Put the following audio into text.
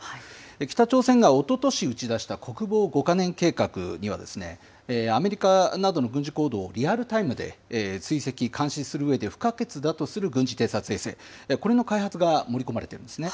北朝鮮がおととし打ち出した国防５か年計画には、アメリカなどの軍事行動をリアルタイムで追跡・監視するうえで不可欠だとする軍事偵察衛星、これの開発が盛り込まれているんですね。